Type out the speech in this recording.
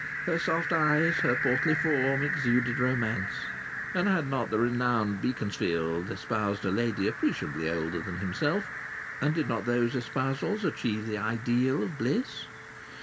Her soft eyes, her portly form, exuded romance. And had not the renowned Beaconsfield espoused a lady appreciably older than himself, and did not those espousals achieve the ideal of bliss?